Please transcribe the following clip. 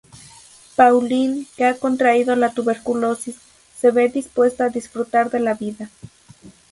Pauline, que ha contraído la tuberculosis, se ve dispuesta a disfrutar de la vida.